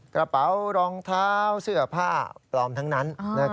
กระเป๋ารองเท้าเสื้อผ้าปลอมทั้งนั้น